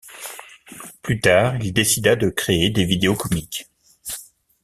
Plus tard, il décida de créer des vidéos comiques.